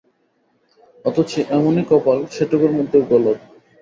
অথচ এমনি কপাল, সেটুকুর মধ্যেও গলদ।